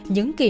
những kỳ lạc